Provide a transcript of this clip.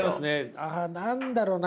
ああ何だろうな。